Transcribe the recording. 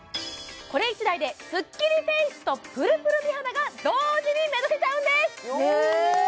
これ１台でスッキリフェイスとぷるぷる美肌が同時に目指せちゃうんです！